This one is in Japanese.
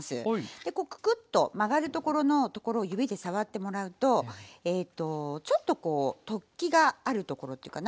でこうククッと曲がるところのところを指で触ってもらうとちょっとこう突起があるところっていうかな。